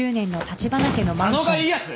佐野がいいやつ？